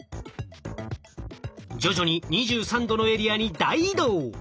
徐々に２３℃のエリアに大移動。